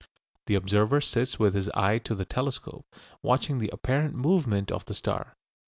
The observer sits with his eye to the telescope, watching the apparent movement of the star.